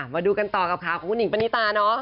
มาดูกันต่อกับข่าวของคุณหิงปณิตาเนาะ